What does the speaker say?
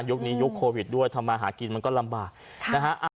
นี้ยุคโควิดด้วยทำมาหากินมันก็ลำบากนะฮะ